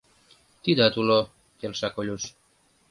— Тидат уло, — келша Колюш.